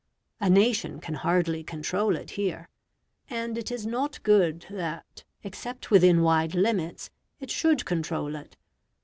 A nation can hardly control it here; and it is not good that, except within wide limits, it should control it.